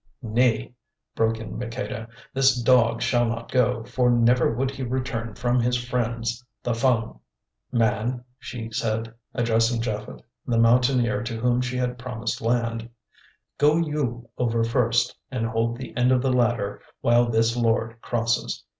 "Nay," broke in Maqueda, "this dog shall not go, for never would he return from his friends the Fung. Man," she said, addressing Japhet, the Mountaineer to whom she had promised land, "go you over first and hold the end of the ladder while this lord crosses.